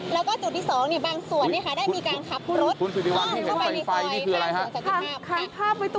แล้วก็จุดที่สองนี่บางส่วนนี้ได้มีการขับรถ